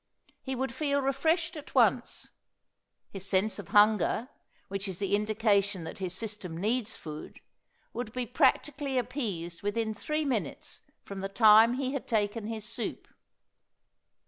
He would feel refreshed at once; his sense of hunger, which is the indication that his system needs food, would be practically appeased within three minutes from the time he had taken his soup.